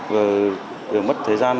vừa mất thời gian